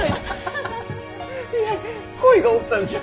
いや鯉がおったんじゃ。